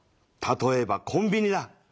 例えばコンビニだ。